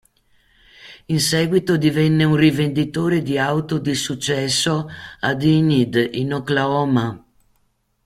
In seguito divenne un rivenditore di auto di successo ad Enid, in Oklahoma.